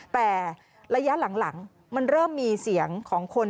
แต่ระยะหลังมันเริ่มมีเสียงของคน